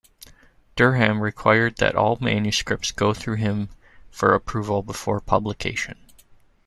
Durham required that all manuscripts go through him for approval before publication.